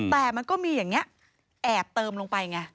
แต่มันก็มีอย่างนี้แอบเติมลงไปไง